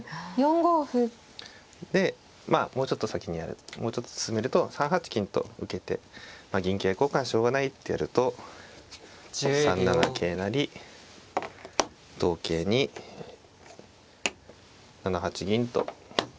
でまあもうちょっと進めると３八金と受けて銀桂交換はしょうがないってやると３七桂成同桂に７八銀と打たれる手。